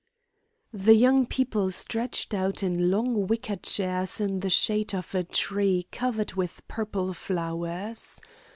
The young people stretched out in long wicker chairs in the shade of a tree covered with purple flowers.